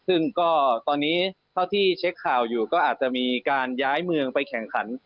ซึ่งก็ตอนนี้เท่าที่เช็คข่าวอยู่ก็อาจจะมีการย้ายเมืองไปแข่งขัน